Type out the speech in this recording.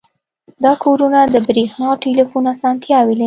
دا کورونه د بریښنا او ټیلیفون اسانتیاوې لري